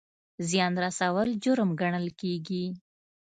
زیان رسول جرم ګڼل کیږي